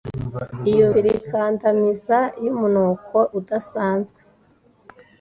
Imyumvire ikandamiza yumunuko udasanzwe